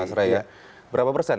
betul ya mas ray